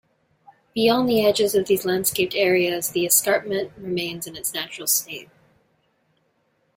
Beyond the edges of these landscaped areas, the escarpment remains in its natural state.